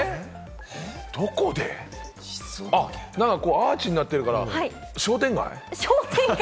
アーチになってるから、商店街？